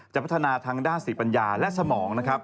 จะพัฒนาทางด้านสิทธิปัญญาและสมอง